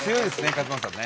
勝俣さんね。